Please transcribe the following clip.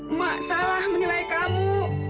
emak salah menilai kamu